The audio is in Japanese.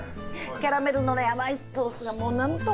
キャラメルのね甘いソースがもうなんとも。